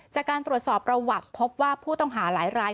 จากการตรวจสอบประวัติพบว่าผู้ต้องหาหลายราย